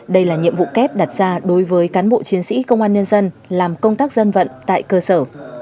đây là nhiệm vụ kép đặt ra đối với cán bộ chiến sĩ công an nhân dân làm công tác dân vận tại cơ sở